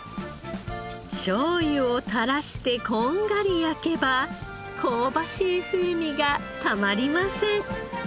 しょうゆを垂らしてこんがり焼けば香ばしい風味がたまりません。